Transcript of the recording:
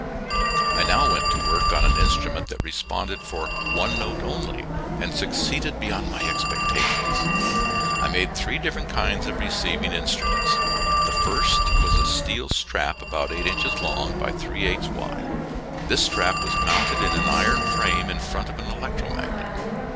I now went to work on an instrument that responded for one note only and succeeded beyond my expectations. I made three different kinds of receiving instruments. The first was a steel strap about eight inches long by three eighths wide. This strap was mounted in an iron frame in front of an electromagnet.